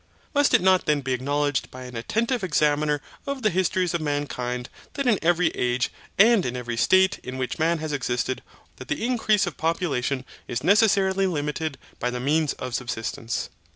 Must it not then be acknowledged by an attentive examiner of the histories of mankind, that in every age and in every state in which man has existed, or does now exist. That the increase of population is necessarily limited by the means of subsistence.